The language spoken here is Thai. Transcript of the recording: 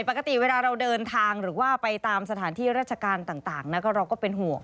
ปกติเวลาเราเดินทางหรือว่าไปตามสถานที่ราชการต่างเราก็เป็นห่วง